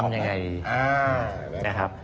ทำยังไงดีนะครับ